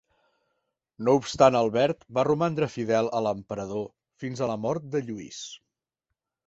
No obstant Albert va romandre fidel a l'emperador fins a la mort de Lluís.